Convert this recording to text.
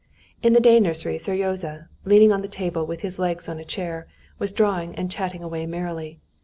In the day nursery Seryozha, leaning on the table with his legs on a chair, was drawing and chatting away merrily.